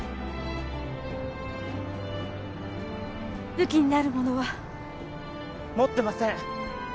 武器になるものは？持ってません。